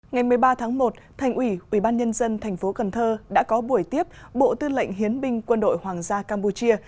ngày một mươi ba tháng một thành ủy ubnd tp cần thơ đã có buổi tiếp bộ tư lệnh hiến binh quân đội hoàng gia campuchia